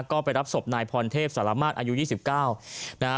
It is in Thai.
ก็ไปรับศพนายพรเทพสารมาสอายุยี่สิบเก้านะฮะ